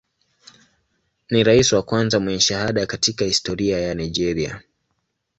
Ni rais wa kwanza mwenye shahada katika historia ya Nigeria.